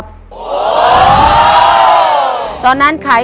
คุณฝนจากชายบรรยาย